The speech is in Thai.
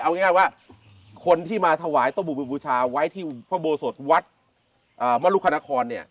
เอาง่ายว่าคนที่มาถวายโต๊ะหมู่บูชาไว้ที่โบสถ์วัดมรุขนคร